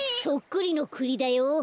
そっくりのクリだよ。